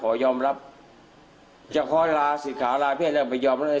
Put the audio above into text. ขอยอมรับจะขอลาสิขาลาพี่อาตามาไปยอมรับใน